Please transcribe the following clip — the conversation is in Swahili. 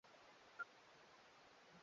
viazi lishe hukaangwa